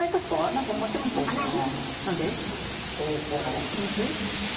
秘密？